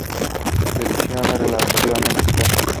Su dentición es relativamente escasa.